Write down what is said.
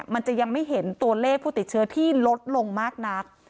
มันจะยังไม่เห็นตัวเลขผู้ติดเชื้อที่ลดลงมากนัก